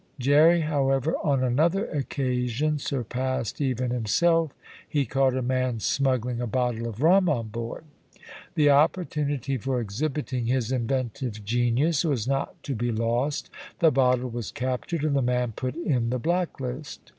Jerry, however, on another occasion, surpassed even himself, he caught a man smuggling a bottle of rum on board. The opportunity for exhibiting his inventive genius was not to be lost. The bottle was captured and the man put in the black list.